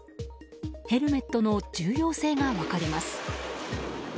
ヘルメットの重要性が分かります。